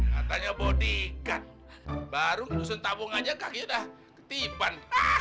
katanya bodyguard baru nyusun tabung aja kakinya udah ketipan